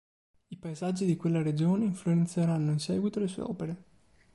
I paesaggi di quella regione influenzeranno in seguito le sue opere.